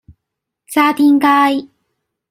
渣甸街